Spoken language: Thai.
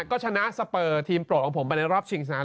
ก็ชนะสเปอร์ทีมโปรดของผมไปในรอบชิงชนะ